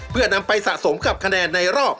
เพื่อนำไปสะสมกับคะแนนในรอบ